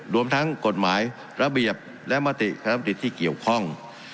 รวมทั้งกฎหมายระเบียบและมติคณะบดีที่เกี่ยวข้อง